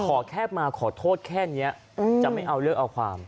ขอแค่มาขอโทษแค่นี้จะไม่เอาเลิกเอาความ